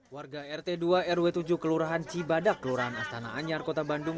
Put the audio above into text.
warga rt dua rw tujuh kelurahan cibadak kelurahan astana anyar kota bandung